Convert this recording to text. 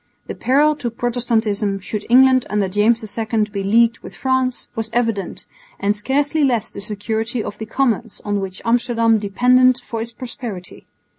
The peril to Protestantism should England under James II be leagued with France, was evident, and scarcely less the security of the commerce on which Amsterdam depended for its prosperity.